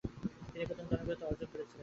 তিনি প্রথম জনপ্রিয়তা অর্জন করেছিলেন।